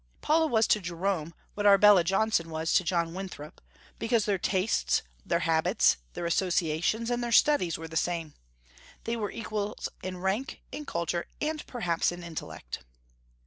Paula was to Jerome what Arbella Johnson was to John Winthrop, because their tastes, their habits, their associations, and their studies were the same, they were equals in rank, in culture, and perhaps in intellect.